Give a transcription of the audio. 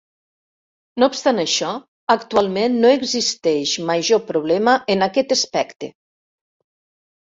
No obstant això, actualment no existeix major problema en aquest aspecte.